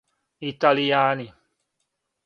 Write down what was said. италијани